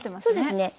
そうですね。